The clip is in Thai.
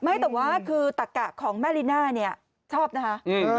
ไม่แต่ว่าคือตักกะของแม่ลิน่าเนี่ยชอบนะคะ